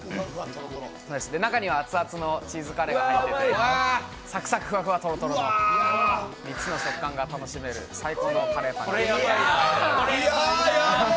中には熱々のチーズカレーが入っていて、サクサク、フワフワ、トロトロの３つの食感が楽しめる最高のカレーパンになってます。